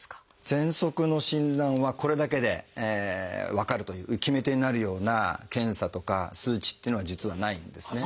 ぜんそくの診断はこれだけで分かるという決め手になるような検査とか数値っていうのは実はないんですね。